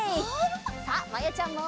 さあまやちゃんも。